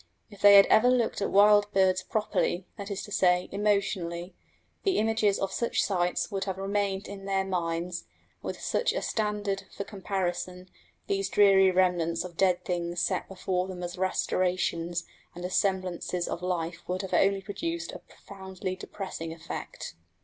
If they had ever looked at wild birds properly that is to say, emotionally the images of such sights would have remained in their minds; and, with such a standard for comparison, these dreary remnants of dead things set before them as restorations and as semblances of life would have only produced a profoundly depressing effect.